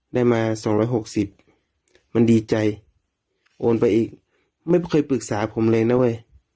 ได้มาสองร้อยหกสิบมันดีใจโอนไปอีกไม่เคยปรึกษาผมเลยน่ะเว้ย